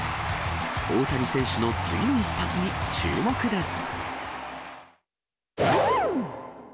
大谷選手の次の一発に注目です。